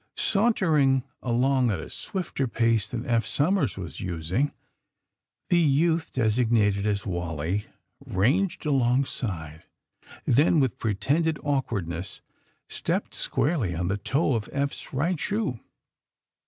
'' Sauntering along at a swifter pace than Eph Somers was using, the youth, designated as Wally, ranged alongside; then, with pretended awkwardness, stepped squarely on the toe of Eph's right shoe.